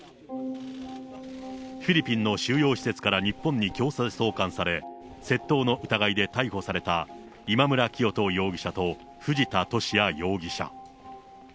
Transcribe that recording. フィリピンの収容施設から日本に強制送還され、窃盗の疑いで逮捕された今村磨人容疑者と藤田聖也容疑者。